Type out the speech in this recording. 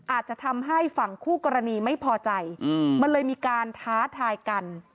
อาจจะทำให้ฝั่งคู่กรณีไม่พอใจมันเลยมีการท้าทายกัน